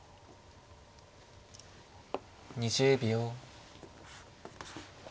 ２０秒。